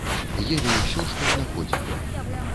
Елі ўсё, што знаходзілі.